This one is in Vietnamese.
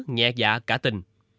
nhẹ dạ cả tình